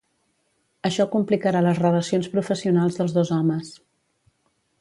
Això complicarà les relacions professionals dels dos homes.